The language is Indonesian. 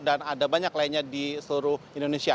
dan ada banyak lainnya di seluruh indonesia